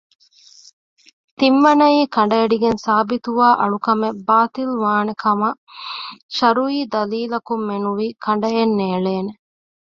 ތިންވަނައީ ކަނޑައެޅިގެން ސާބިތުވާ އަޅުކަމެއް ބާޠިލުވާނެކަމަށް ޝަރުޢީ ދަލީލަކުންމެނުވީ ކަނޑައެއްނޭޅޭނެ